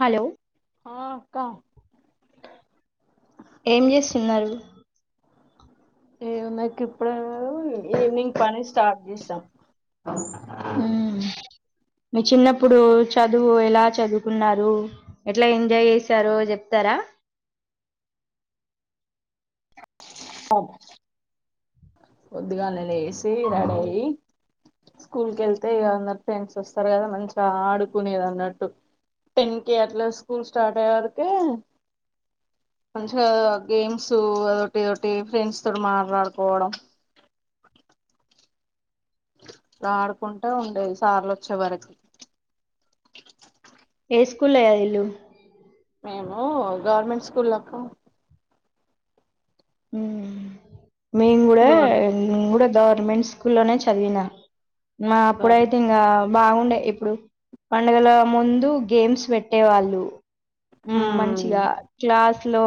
Hello ఆ అక్క ఏం చేస్తున్నారు? ఏ ఉన్నాయ్ కిప్పుడ ఈవినింగ్ పని స్టార్ట్ చేసాం మ్మ్. మీ చిన్నప్పుడు చదువు ఎలా చదువుకున్నారు, ఎట్లా ఎంజాయ్ చేసారో చెప్తారా? అబ్ పొద్దుగాల్ల లేసి రెడీయ్యి స్కూల్ కి వెళ్తే ఇగ అన్నట్టు ఫ్రెండ్స్ వస్తారు కదా మంచిగా ఆడుకునేది అన్నట్టు. టెన్ కే అట్లా స్కూల్ స్టార్ట్ అయ్య వరకె మంచిగా గేమ్స్ అదొటి ఏదొటి ఫ్రెండ్స్ తో మాట్లాడుకోవడం. రాడుకుంటే ఉండేది సార్లు వచ్చే వరకి ఏ స్కూల్ అయ్య ఇల్లుు మేము గవర్నమెంట్ స్కూళ్లకు మ్ మేమ్ గూడా గవర్నమెంట్ మేమ్ గూడా ద ఉమేన్స్ స్కూల్లో నే చదివన మా గవర్నమెంట్ అప్పుడుయితే ఇంగ బావుండే ఇప్పుడు పండుగల ముందు గేమ్స్ పెట్టేవాళ్ళు. మంచిగా క్లాస్ లో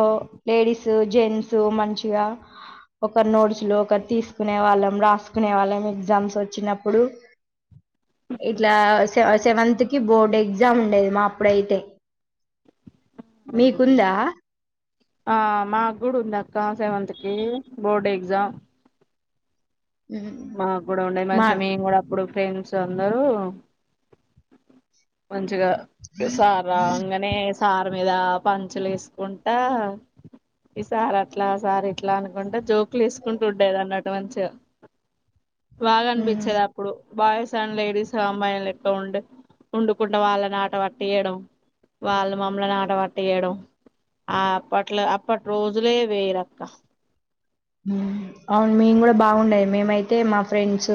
లేడీస్, జెంట్స్ మం చిగా ఒక నోడ్చ లో ఒక తీసుకునే వాళ్ళం రా సుకునేవాళ్ళం ఎగ్జామ్స్ వచ్చినప్పుడు ఇట్లా స సెవెంత్ కి బోర్డు ఎగ్జామ్ ఉండేది మా అప్పుడైతే మీకుందా? ఆ మా కూడా ఉందక్క సెవెంత్ కి బోర్డు ఎగ్జామ్ ఉమ్, మాకు కూడా ఉండది మా మంచిగా మేము కూడా అప్పుడు ఫ్రెండ్స్ అందరూ మంచిగా సార్ రాంగానే సార్ మీద పంచులు వేసుకుంటా ఈ సార్ అట్లా, ఆ సార్ ఇట్లా అనుకుంటే జోకులు వేసుకుంటూ ఉండేది అన్నటు మంచిగా బాగా ఉమ్, అనిపించేది అప్పుడు బాయ్స్ తన్ లేడీస్ అంబాయి లెక్క ఉండి వండుకుంటడా వాళ్ళని ఆట పట్టియడం వాళ్ళు మమ్మల్ని ఆటవాట్టీయడం ఆ అప్పట్లో అప్పటి రోజులే వేరక్క అవును మేము కూడా బావుండే మేమైతే మా ఫ్రెండ్స్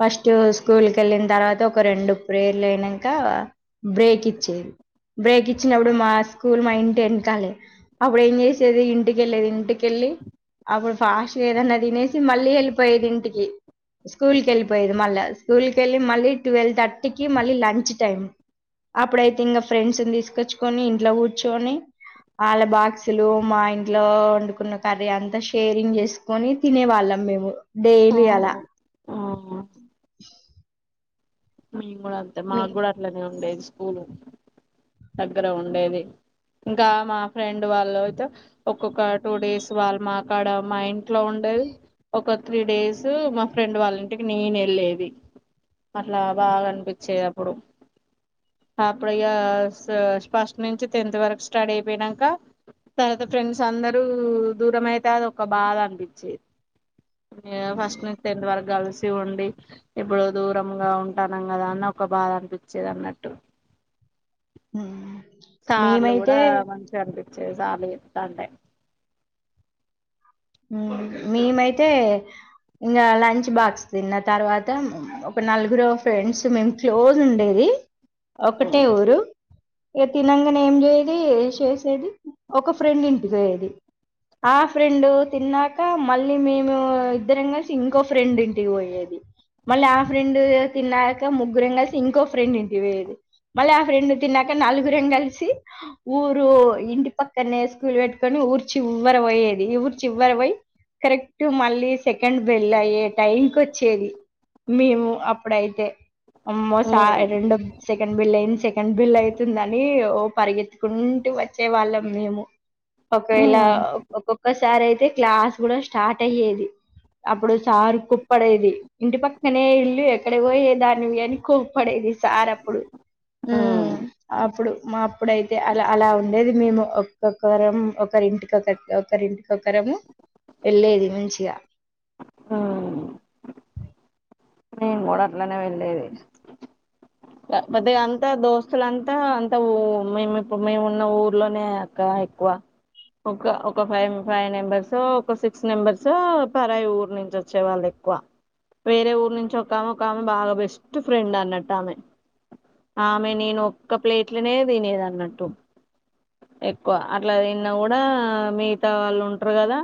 ఫస్ట్ స్కూల్ కి వెళ్ళిన తర్వాత ఒక రెండు ప్రేర్లు అయినాక బ్రేక్ ఇచ్చేది. బ్రేక్ ఇచ్చినప్పుడు మా స్కూల్ మా ఇంటి వెనకాలి అప్పుడు ఏం చేసేది ఇంటికెళ్ళేది ఇంటికె ళ్ళి అప్పుడు ఫాస్ట్గా ఏదన్నా తినేసి మళ్ళీ వెళ్ళిపోయేది ఇంటికి స్కూల్ కి వెళ్ళిపోయేది మళ్ళ స్కూల్ కి వెళ్ళి మళ్ళీ ట్వెల్వ్ థర్టీకి మళ్ళీ లంచ్ టైమ్ అప్పుడైతే ఇంకా ఫ్రెండ్స్ని తీసుకొచ్చుకొని ఇంట్లో కూర్చుని వాళ్ళ బాక్సులు మా ఇంట్లో వండుకున్న కర్రీ అంతా కేరింగ్ చేసుకొని తినే వాళ్ళం మేము డైలీ ఓహో అలా ఆ మేము కూడా అంతే మీ మాకు కూడా అట్లనే ఉండేది స్కూల్. దగ్గర ఉండేది. ఇంకా మా ఫ్రెండ్ వాళ్ళు అయితే ఒక్కొక్క టూ డేస్ వాళ్ళు మాకాడ మా ఇం అట్ల ఉండేది ఒక త్రీ డేస్ మా ఫ్రెండ్ వాళ్ళ ఇంటికి నేను వెళ్ళేది అలా బాగ అనిపించేది అప్పుడు అప్పుడు ఇగ ఫస్ట్ నుంచి టెన్త్ వరకు స్టడీ అయిపోయినంక తర్వాత ఫ్రెండ్స్ అందరూ దూరం అయితే అది ఒక బాధ అనిపించేది ఫస్ట్ నుంచి టెన్త్ వరకు కలిసి ఉండి ఇప్పుడు దూరం దూరంగా ఉంటానం కదా అని ఒక బాధ అనిపించేది అన్నట్టు హ సార్లు కూడా మంచిగ అనిపి సార్లు చెప్తా ఉంటే మేమైతే ఇంగ లంచ్ బాక్స్ తిన్న తర్వాత ఒక నలుగురు ఫ్రెండ్స్ మేము క్లోజ్ ఉండేది ఒకటే ఉమ్, ఊరు ఇక తినంగానే ఏం చేయేది చేసేది ఒక ఫ్రెండ్ ఇంటికి పోయేది ఆ ఫ్రెండ్ తిన్నాక మళ్ళీ మేము ఇద్దరం కలిసి ఇంగో ఫ్రెండ్ ఇంటికి పోయేది మళ్ళీ ఆ ఫ్రెండ్ తిన్నాక ముగ్గురం కలిసి ఇంకో ఫ్రెండ్ ఇంటి పోయేది మళ్ళీ ఆ ఫ్రెండ్ తిన్నాక నలుగురం కలిసి ఊరు ఇంటి పక్కనే స్కూల్ పెట్టుకొని ఊరు చివర పోయేది ఎవరు చివరి పోయి కరెక్ట్ మళ్ళీ సెకండ్ బెళ్ అయ్యే టైంకి వచ్చేది మేము అప్పుడైతే అమ్మో ఉమ్, రెండో సెకండ్ బిల్లయి సెకం బిల్ అయితుందని ఓ పరిగెత్తుకుంటూ వచ్చే వాళ్ళం మేము ఒకవేళ ఉమ్, ఒక్కొక్కసారి అయితే క్లాస్ కూడా స్టార్ట్ అయ్యేది అప్పుడు సారు కుప్పడేది ఇంటి పక్కనే ఇల్లు ఎక్కడ పోయే దానివి అని కోప్పడేది సార్ అప్పుడు ఉమ్, ఊమ్ అప్పుడు మా అప్పుడైతే అల అలా ఉండేది మేము ఒక్కొక్కరం ఒకరి ఇంటికి ఒకరింటి ఒక్కొక్కరము వెళ్ళేది మంచిగా ఆ నేను కూడా అట్లనే వెళ్లేది కాకపోతే అంతా దోస్తులంతా అంతా ఊ మేముప్పుడు మేము ఉన్న ఊర్లోనే అక్క ఎక్కువ ఒక ఒక ఫైవ్ ఫైవ్ నెంబర్స్ ఒక సిక్స్ నెంబర్సో పరాయి ఊర్ నుంచి వచ్చే వాళ్లు ఎక్కువ వేరే ఊరు నుంచి ఒక ఆమె ఒక ఆమె బాగా బెస్ట్ ఫ్రెండ్ అన్నట్టు ఆమె ఆమె నేను ఒక్క ప్లేట్లనే తినేది అన్నట్టు ఎక్కువ అట్లా తిన్న కూడా మిగతా వాళ్ళు ఉంటరు కదా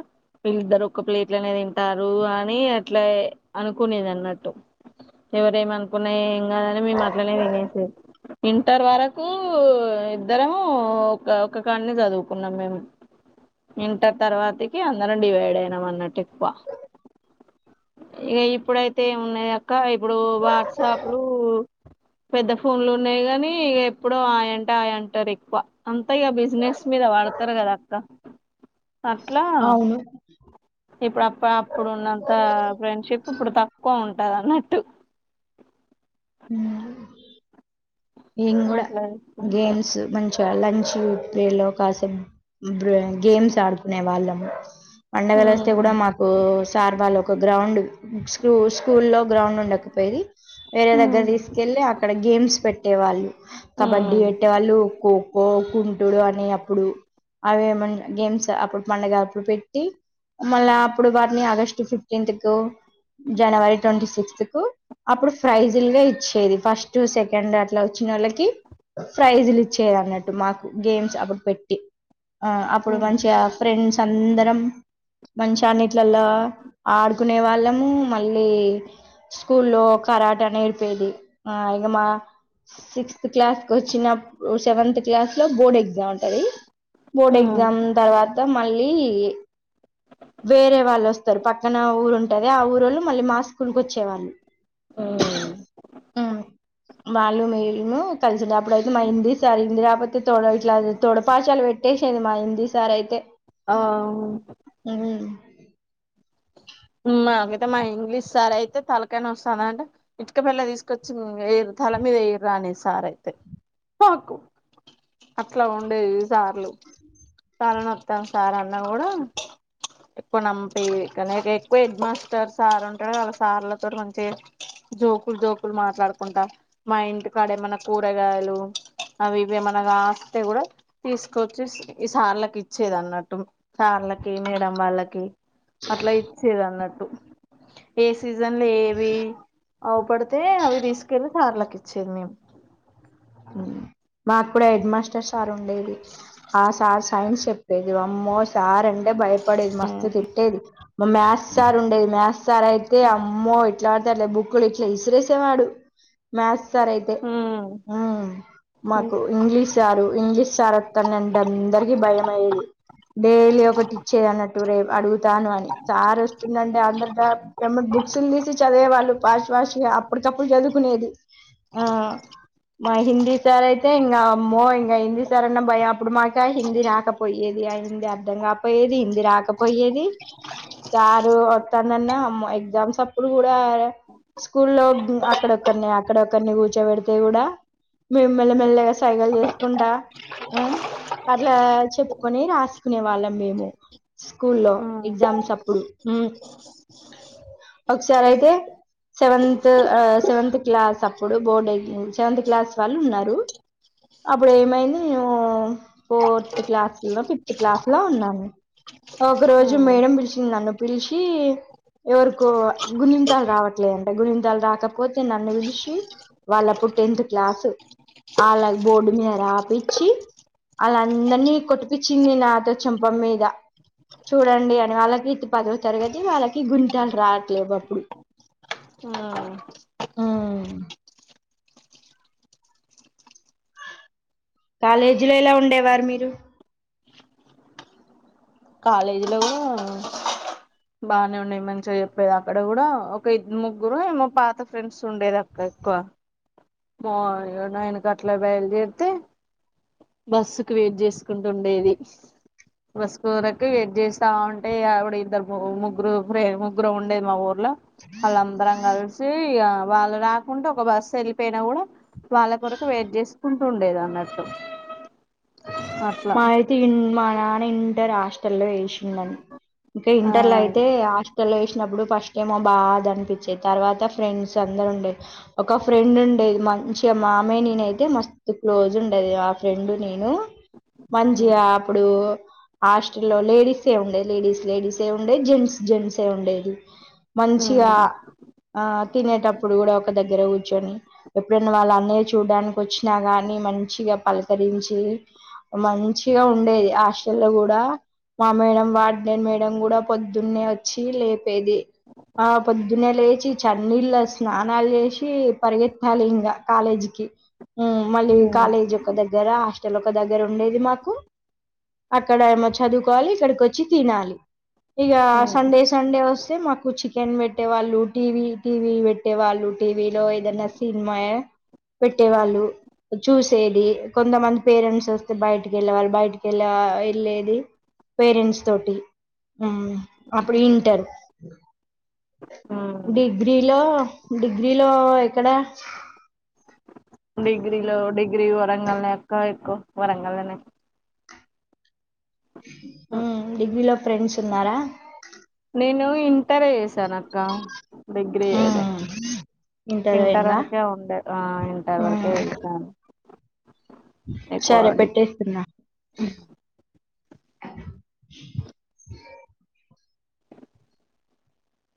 వీళ్ళిద్దరు ఒక ప్లేట్లోనే తింటారు అని అట్లా అనుకునేది అన్నట్టు ఎవరు ఏమి అనుకున్న ఏం కాదని మేము అట్లనే తినేసేది ఇంటర్ వరకు ఇద్దరం ఒక ఒకకాన్నే చదువుకున్నాం మేము ఇంటర్ తర్వాతకి అందరం డివైడ్ అయినాం అన్నట్టు ఎక్కువ ఇగ ఇప్పుడైతే ఏమున్నయి అక్క ఇప్పుడు వాట్సాప్లు పెద్ద ఫోన్లు ఉన్నాయి గానీ ఎప్పుడో హాయ్ అంటే హాయ్ అంటారు ఎక్కువ అంతా ఇగ బిజినెస్ మీద వాడ ఉంటరు కదా అక్క అట్లా అవును ఇప్పుడు అ అప్పుడు ఉన్నంత ఫ్రెండ్షిప్ ఇప్పుడు తక్కువ ఉం ఉంటాది అన్నట్టు ఉ ఏం కూడా అట్లా చేసుకుంటారు గేమ్స్ మంచి లంచ్ పిరిడ్ లో కాస గేమ్స్ ఆడుకునే వాళ్ళము పండగలు వస్తే కూడా ఉమ్ మాకు సార్ వాళ్లు ఒక గ్రౌండ్ స్కూ స్కూల్లో గ్రౌండ్ ఉండకపోయిది వేరే దగ్గర ఉమ్ తీసుకెళ్లి అక్కడ గేమ్స్ పెట్ పెట్టే వాళ్ళు కబడ్డీ ఉమ్ పెట్టే వాళ్ళు కోకో పోకుంటుడు అనే అప్పుడు అవి ఏమన్నా గేమ్స్ అప్పుడు పండగ అప్పుడు పెట్టి మళ్ళా అప్పుడు వారిని ఆగస్టు ఫిఫ్టీన్త్ కో జనవరి ట్వంటీ సిక్స్త్ కు అప్పుడు ప్రైజుల్గా ఇచ్చేది ఫస్ట్ సెకండ్ అట్లా వచ్చినోళ్ళకి ప్రైజ్లు ఇచ్చేరు అన్నట్టు మాకు గేమ్స్ అప్పుడు పెట్టి ఆ అప్పుడు ఉమ్ మంచిగా ఫ్రెండ్స్ అందరం మంచ అన్నిట్లల్లో ఆడుకునే వాళ్ళం మళ్ళీ స్కూల్లో కరాట నేర్పేది ఆ ఇక మా సిక్స్త్ క్లాస్ కొచ్చినప్పుడు సెవెంత్ క్లాస్ లో బోర్డ్ ఎగ్జామ్ ఉంటది బోర్డు ఉమ్, ఎగ్జామ్ తర్వాత మళ్ళీ వేరే వాళ్ళు వస్తారు పక్క పక్కన ఊరు ఉంటది ఆ ఊరుళ్ళు మళ్ళీ మా స్కూల్కి వచ్చేవాళ్ళు ఆ వాళ్లు మేము కలసిదాం అప్పుడైతే మా హిందీ సార్ హిందీ రాకపోతే తోడ ఇట్లా తొడ పాశాలు పెట్టేసేది మా హిందీ సార్ అయితే ఆ అయితే మా ఇంగ్లీష్ సార్ అయితే తలకై నోస్తాందంటే ఇటుక పిళ్ల తీసుకొచ్చి తల మీద వేయిర్రా సార్ అయితే పాకు అట్లా ఉండేవి సార్లు తల నోత్తంది సార్ అన్న కూడా ఎప్పుడు నంపి కానీ హెడ్ మాస్టర్ సార్ ఉంటాడు వాళ్ళ సార్లతోటి మంచి జోకులు జోకులు మాట్లాడుకుంటా మా ఇంటి కాడ ఏమన్నా కూరగాయలు అవి ఇవేమన్నా కాస్తే కూడా తీసుకొచ్చి ఈ సార్లకి ఇచ్చేది అన్నట్టు సార్ కి మేడం వాళ్ళకి అట్లా ఇచ్చేదన్నట్టు సీజన్లు ఏవి అవు పడితే అవి తీసుకెళ్లి సార్లకిస్ ఇచ్చేది మేం మాక్కుడా హెడ్ మాస్టర్ సార్ ఉండేది ఆ సార్ సైన్స్ చెప్పేది వామ్మో సార్ అంటే భయప పడేది మస్తు ఉమ్ తిట్టేది మా మ్యాథ్స్ సార్ ఉండేది మ్యాథ్స్ సార్ అయితే అమ్మో ఎట్లా ఆడితే అట్లా బుక్లు ఇట్లా విసిరేసేవాడు మ్యాథ్స్ సార్ అయితే ఉ ఉమ్ మాకు ఇంగ్లీష్ సారు ఇంగ్లీష్ సారోత్తన్నడంటీ అందరికి భయం అయ్యేది డైలీ ఒకటి ఇచ్చేది అన్నట్టు రేపు అడుగు రాను అని సార్ వస్తుండంటే అందరిట ఎమ్మా బుక్స్లు తీసి చదివేవాళ్ళు పాస్ట్ పాస్ట్ గా అప్పటి తప్పులు చదువుకునేది ఆ మా హిందీ సార్ అయితే ఇంగ అమ్మో ఇంగా హిందీ సార్ అన్న భయం అప్పుడు మాక హిందీ రాకపోయేది ఆ హిందీ అర్ధం కాకపోయేది హింది రాకపోయేది సారు వత్తానన్నా అమ్మో ఎగ్జామ్స్ అప్పుడు కూడా స్కూల్లో అక్కడొక్కరిని అక్కడొక్కరిని కూర్చోబెడితే కూడా మేము మెల్లమెల్లగా సైగలు చేసుకుంటా ఆ అట్లా చెప్పుకొని రాసుకునే వాళ్ళం మేము స్కూల్లో ఉమ్ ఎగ్జామ్స్ అప్పుడు ఒకసారి అయితే సెవెంత్ అ సెవెంత్ క్లాసప్పుడు బోర్డెగ్ సెవెంత్ క్లాస్ వాళ్ళున్నారు అబ్బడేమైంది నేనూ ఫోర్త్ క్లాస్లొనొ ఫిఫ్త్ క్లాస్లొ ఉన్నాను. ఒకరోజు ఉమ్ మేడం బిల్షింద్ నన్ను పిల్షి ఎవర్కో గుణింతాల్ రావట్లేదంట గుణింతాల్ రాకపోతే నన్ను పిల్షి వాళ్ళప్పుడు టెన్త్ క్లాసు ఆళ్లక్ బోర్డు మీద రాపిచ్చి ఆల్లందర్నీ కొట్టిపిచ్చింది నాతో చెంప మీద చూడండి అని వాళ్ళకీత్ పదో తరగతి వాళ్ళకి గుణింతాల్ రావట్లేవప్పుడు ఊమ్ ఊమ్ కాలేజ్లొ ఎలా ఉండేవారు మీరు కాలేజ్లొ గుడా బాగానే ఉండేది మంచిగ చెప్పేదక్కడ గుడా ఒక ఇద్ ముగ్గురో ఏమొ పాత ఫ్రెండ్సుండేదక్క ఎక్కువ మో యొ నైనకట్ల బయల్దేర్తె బస్సుకు వెయ్ట్ జేస్కుంటుండేది బస్ కోరకు వెయ్ట్ జేస్తా ఉంటె ఇగ అబుడు ఇద్దరు పో ముగ్గురు ఫ్రే ముగ్గురముండే మ ఊర్ లొ అళ్ళందరం గల్సీ ఇగ వాళ్ళు రాకుంటె ఒక బస్సెళ్ళిపెయ్న గుడ వాళ్ళ కొరకు వెయ్ట్ జేస్కుంటు ఉండేదాన్నట్ ట్టు మాఐతీ విన్ మా నాన ఇంటర్ హాస్టల్లొ వేషిన్నన్ ఇంక ఆ ఇంటర్లైతె ఆశ్ టల్లొ యేష్నబ్బుడు ఫస్టైమొ బాదన్పించె తర్వాత ఫ్రెండ్సందరుండె ఒక ఫ్రెండున్ ఉండేది మంచిగా మామె నీనైతే మస్తు క్లోజుండెది ఆ ఫ్రెండ్ నేను ఉమ్ మంచిగా అప్పుడూ ఆస్టల్లో లేడీస్సే ఉండేది లేడీస్ లేడీసే ఉండేద్ జెంట్స్ జెంట్సే ఉండేది. మంచిగా ఉమ్ ఆ తినేటప్పుడు గుడా ఒక దగ్గరె గుచ్చోని ఎప్పుడైనా వాళ్ళన్నయ్య చూడ్డానికొచ్చినా గాన్ ని మంచిగా పల్కరించి మంచిగ ఉండేది ఆస్టల్లొ గుడా మా మేడం వార్డెన్ మేడం గుడా పొద్దున్నే వచ్చి లేపేది ఆ పొద్దున్నె లేచి చన్నీళ్ళ స్నానాల్ జేషి పరిగెత్తాలి ఇంగ కాలేజ్కి ఊమ్ మళ్ళి కాలేజొక దగ్గర ఆస్టలొక దగ్గరుండేది మాకు అక్కడేమొ చదువ్కోవాలి ఇక్కడికొచ్చి తినాలి ఇగా ఉమ్ సండే సండె వొస్తె మాకు చికెన్ పెట్టేవాళ్ళు టీవీ టీవీ పెట్టేవాళ్ళు టీవీలొ ఏదన్న సిన్మయా పెట్టేవాళ్ళు చూసేది కొంతమంది పేరెంట్సొస్ త్ బైటికెళ్ళేవాల్ బైటికెళ్ళా వెళ్ళేది పేరెంట్స్ తోటి ఊమ్ అప్పుడు ఇంటరు ఉమ్ డిగ్రీలో డిగ్రీలో ఎక్కడా డిగ్రీలొ డిగ్రీ వరంగల్నె అక్క ఎక్కు వరంగల్లనె ఊమ్ డిగ్రీలో ఫ్రెండ్సున్నార నేను ఇంటర్ జేసానక్క డిగ్రీ జెయ్లే ఉమ్, ఇంటర్ వర్కే ఉండె ఆ ఇంటర్ వర్కే జేసాను చరె పెట్టేస్తున్న